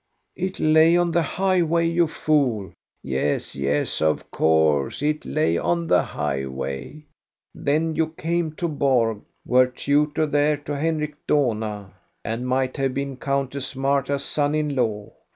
"" It lay on the highway, you fool. " "Yes, yes, of course; it lay on the highway. Then you came to Borg, were tutor there to Henrik Dohna, and might have been Countess Marta's son in law.